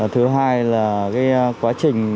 thứ hai là cái quá trình